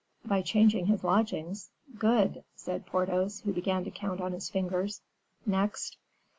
"By changing his lodgings? Good," said Porthos, who began to count on his fingers; "next?"